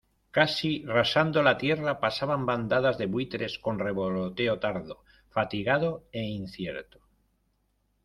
casi rasando la tierra pasaban bandadas de buitres con revoloteo tardo, fatigado e incierto.